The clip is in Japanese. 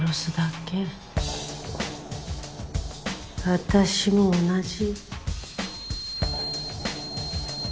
私も同じ。